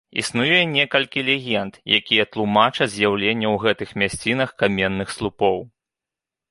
Існуе некалькі легенд, якія тлумачаць з'яўленне ў гэтых мясцінах каменных слупоў.